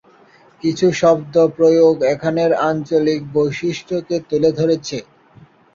কিছু শব্দ প্রয়োগ এখানের আঞ্চলিক বৈশিষ্ট্যকে তুলে ধরেছে।